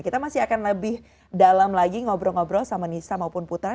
kita masih akan lebih dalam lagi ngobrol ngobrol sama nisa maupun putra